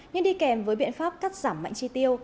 nhưng đi kèm với biện pháp cắt giảm mạnh chi tiêu